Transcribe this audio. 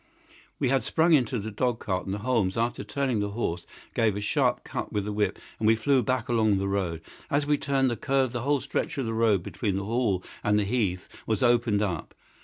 We had sprung into the dog cart, and Holmes, after turning the horse, gave it a sharp cut with the whip, and we flew back along the road. As we turned the curve the whole stretch of road between the Hall and the heath was opened up.